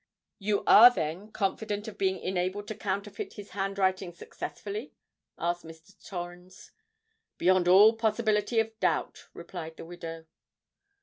"You are, then, confident of being enabled to counterfeit his handwriting successfully?" asked Mr. Torrens. "Beyond all possibility of doubt," replied the widow.